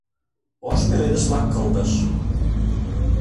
Ош пеледыш-влак кылдыш